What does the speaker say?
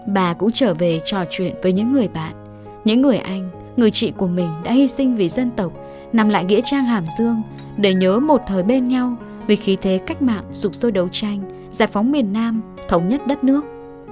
bà cũng trở về trò chuyện với những người bạn những người anh người chị của mình đã hy sinh vì dân tộc nằm lại nghĩa trang hàm dương để nhớ một thời bên nhau vì khí thế cách mạng sụp sôi đấu tranh giải phóng miền nam thống nhất đất nước